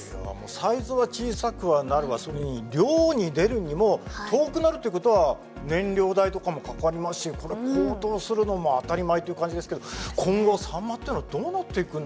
サイズは小さくはなるわ漁に出るにも遠くなるってことは燃料代とかもかかりますしこれは高騰するのも当たり前っていう感じですけど今後サンマっていうのはどうなっていくんでしょうかね？